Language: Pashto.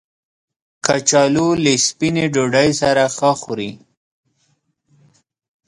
کچالو له سپینې ډوډۍ سره ښه خوري